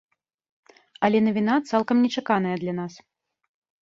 Але навіна цалкам нечаканая для нас.